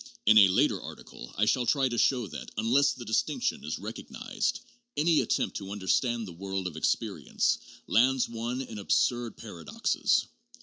In a later article I shall try to show that, unless the distinction is recognized, any attempt to understand the world of experience lands one in absurd paradoxes.